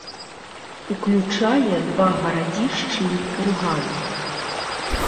Уключае два гарадзішчы і курган.